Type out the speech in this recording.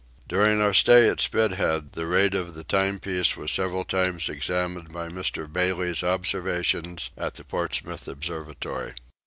During our stay at Spithead, the rate of the timepiece was several times examined by Mr. Bailey's observations at the Portsmouth observatory.